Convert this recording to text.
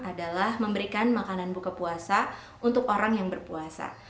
adalah memberikan makanan buka puasa untuk orang yang berpuasa